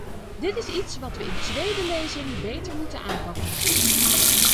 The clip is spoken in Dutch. Dit is iets wat we in tweede lezing beter moeten aanpakken.